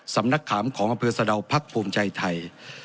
สำนักขามของอำเภอสะดาวพักภูมิใจไทย